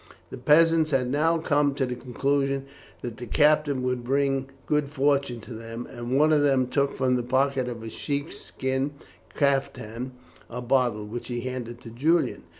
The peasants had now come to the conclusion that the capture would bring good fortune to them, and one of them took from the pocket of his sheep skin caftan a bottle, which he handed to Julian.